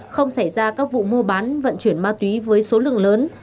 không xảy ra các vụ mua bán vận chuyển ma túy với số lượng lớn